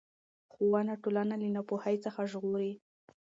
ښوونه ټولنه له ناپوهۍ څخه ژغوري